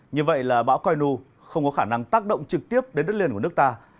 như vậy là bão coi nu không có khả năng tác động trực tiếp đến đất liền của nước ta